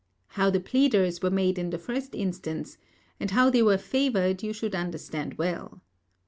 How the pleaders were made in the first instance and how they were favoured you should understand well.